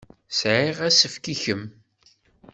Sɛiɣ asefk i kemm.